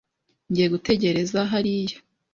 Ngiye gutegereza hariya.